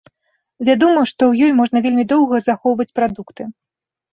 Вядома, што ў ёй можна вельмі доўга захоўваць прадукты.